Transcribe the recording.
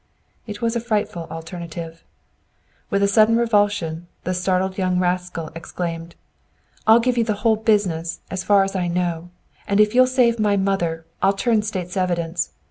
It was a frightful alternative. With a sudden revulsion, the startled young rascal exclaimed: "I'll give you the whole business, as far as I know; and if you'll save my mother, I'll turn State's evidence.